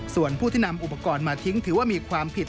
ส่วนผู้ที่นำอุปกรณ์มาทิ้งถือว่ามีความผิด